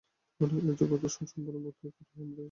এই জগৎ অসম্পূর্ণ বোধ হয়, কারণ আমরাই উহাকে অসম্পূর্ণ করিয়াছি।